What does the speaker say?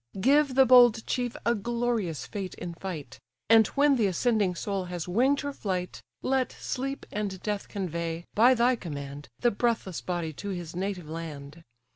Give the bold chief a glorious fate in fight; And when the ascending soul has wing'd her flight, Let Sleep and Death convey, by thy command, The breathless body to his native land.